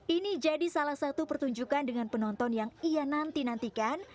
ini jadi salah satu pertunjukan dengan penonton yang ia nanti nantikan